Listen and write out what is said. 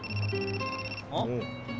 あっ。